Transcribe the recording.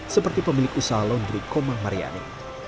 seperti pemilik usaha laundry komang mariani